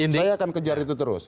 saya akan kejar itu terus